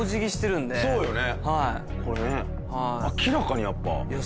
明らかにやっぱ。